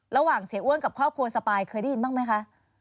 เสียอ้วนกับครอบครัวสปายเคยได้ยินบ้างไหมคะ